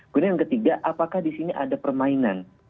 kemudian yang ketiga apakah di sini ada permainan